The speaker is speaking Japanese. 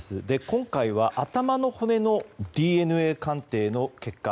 今回は頭の骨のＤＮＡ鑑定の結果